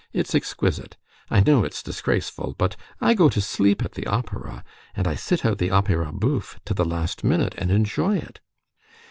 It's exquisite! I know it's disgraceful, but I go to sleep at the opera, and I sit out the opera bouffe to the last minute, and enjoy it.